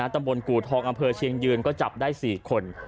ตำบลกู่ทองอำเภอเชียงยืนก็จับได้๔คน